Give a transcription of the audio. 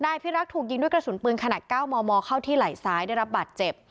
พิรักษ์ถูกยิงด้วยกระสุนปืนขนาด๙มมเข้าที่ไหล่ซ้ายได้รับบาดเจ็บ